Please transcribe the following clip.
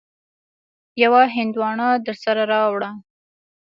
يوه هندواڼه درسره راوړه.